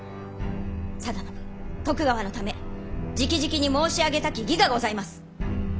定信徳川のためじきじきに申し上げたき儀がございます！